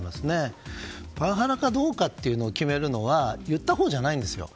パワハラかどうかを決めるのは言ったほうじゃないんですよ。